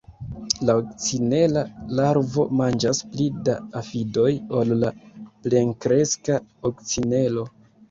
La kokcinela larvo manĝas pli da afidoj ol la plenkreska kokcinelo.